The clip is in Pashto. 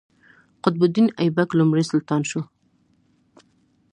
قطب الدین ایبک لومړی سلطان شو.